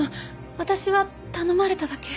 私は頼まれただけ。